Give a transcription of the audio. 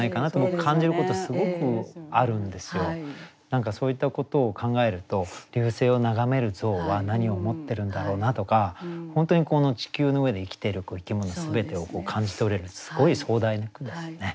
何かそういったことを考えると流星を眺める象は何を思ってるんだろうなとか本当にこの地球の上で生きてる生き物全てを感じ取れるすごい壮大な句ですね。